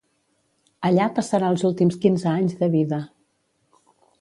Allà passarà els últims quinze anys de vida.